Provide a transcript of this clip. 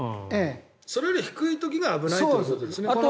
それより低い時が危ないということですね。